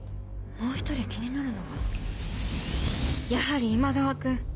もう一人気になるのがやはり今川君！